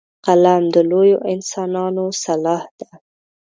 قلم د لویو انسانانو سلاح ده